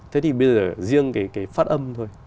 thế thì bây giờ riêng cái phát âm thôi